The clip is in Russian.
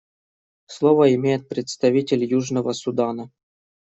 Слово имеет представитель Южного Судана.